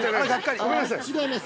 ◆違います